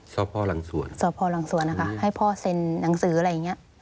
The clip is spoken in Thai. สพหลังสวนสพหลังสวนนะคะให้พ่อเซ็นหนังสืออะไรอย่างเงี้ย